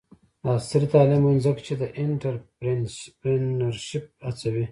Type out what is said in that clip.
عصري تعلیم مهم دی ځکه چې د انټرپرینرشپ هڅوي.